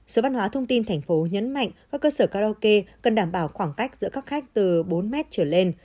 sở văn hóa thông tin thành phố nhấn mạnh các cơ sở karaoke cần đảm bảo khoảng cách giữa các khách từ bốn mét trở lên